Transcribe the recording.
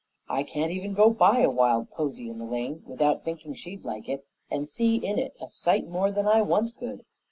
I can't even go by a wild posy in the lane without thinking she'd like it and see in it a sight more than I once could.